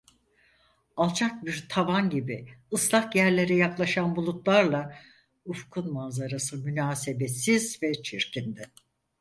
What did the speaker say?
Alçak bir tavan gibi, ıslak yerlere yaklaşan bulutlarla, ufkun manzarası münasebetsiz ve çirkindi.